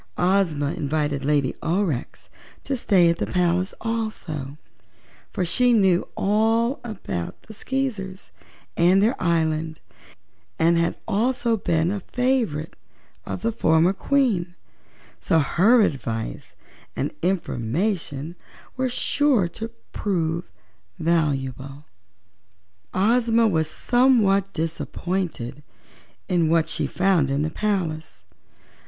Ozma invited Lady Aurex to stay at the palace also, for she knew all about the Skeezers and their island and had also been a favorite of the former Queen, so her advice and information were sure to prove valuable. Ozma was somewhat disappointed in what she found in the palace.